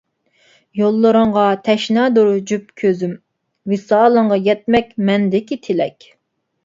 يوللىرىڭغا تەشنادۇر جۈپ كۆزۈم، ۋىسالىڭغا يەتمەك مەندىكى تىلەك.